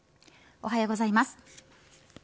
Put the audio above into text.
おはようございます。